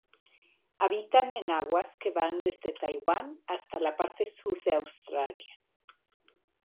Habitan en aguas que van desde Taiwán hasta la parte sur de Australia.